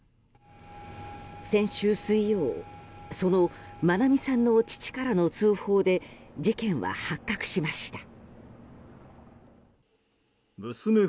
先週水曜その愛美さんの父からの通報で事件は発覚しました。